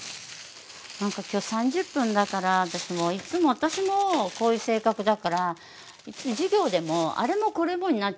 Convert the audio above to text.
なんか今日３０分だから私もういつも私もこういう性格だから授業でもあれもこれもになっちゃうわけ。